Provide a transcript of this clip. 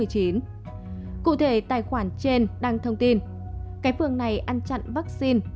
cụ thể tài khoản trên đăng thông tin cái phường này ăn chặn vắc xin